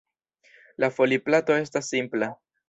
La foliplato estas simpla.